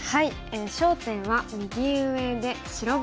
焦点は右上で白番ですね。